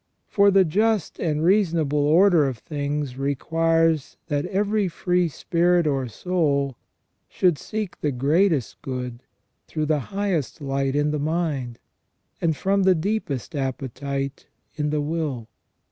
For the just and reasonable order of things requires that every free spirit or soul should seek the greatest good through the highest light in the mind, and from the deepest appetite in the will.